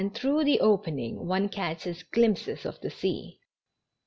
tlirougb III ' opening one catches glimpses of the sea.